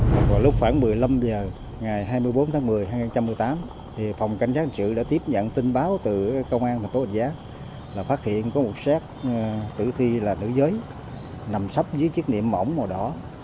vào lúc khoảng một mươi năm h ngày hai mươi bốn tháng một mươi hai nghìn một mươi tám phòng cảnh sát hình sự đã tiếp nhận tin báo từ công an tp hcm là phát hiện có một sát tử thi là nữ giới nằm sắp dưới chiếc niệm mỏng màu đỏ